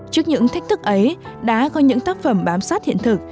trước những thách thức ấy đã có những tác phẩm bám sát hiện thực